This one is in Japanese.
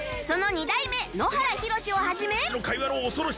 その２代目野原ひろしを始め